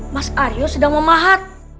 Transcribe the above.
mas aryo sedang memahat